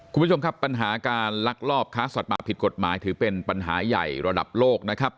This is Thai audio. คุณผู้ชมครับปัญหาการลักลอบค้าสัตว์ป่าผิดกฎหมายถือเป็นปัญหาใหญ่ระดับโลกนะครับ